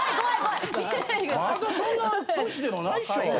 まだそんな年でもないでしょう？